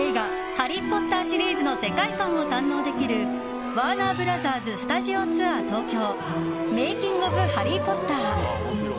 「ハリー・ポッター」シリーズの世界観を堪能できるワーナー・ブラザーススタジオツアー東京メイキング・オブ・ハリー・ポッター。